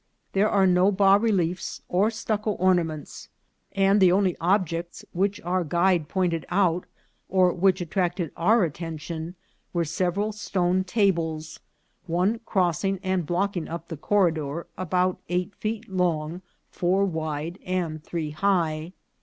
There are no bas reliefs or stucco ornaments; and the only objects which our guide point ed out or which attracted our attention, were several stone tables, one crossing and blocking up the corridor, about eight feet long, four wide, and three high.